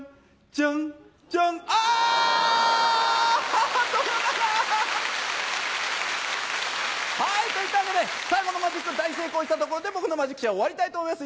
ハートの７！といったわけで最後のマジック大成功したところで僕のマジックショーは終わりたいと思います。